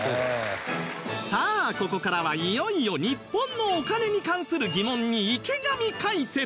さあここからはいよいよ日本のお金に関する疑問に池上解説